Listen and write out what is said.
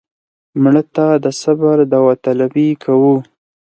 مړه ته د صبر داوطلبي کوو